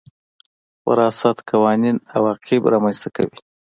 وراثت قوانين عواقب رامنځ ته کوي.